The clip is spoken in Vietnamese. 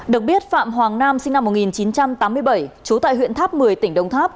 được biết phạm hoàng nam sinh năm một nghìn chín trăm tám mươi bảy trú tại huyện tháp một mươi tỉnh đồng tháp